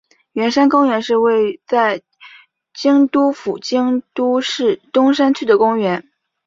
圆山公园是位在京都府京都市东山区的公园。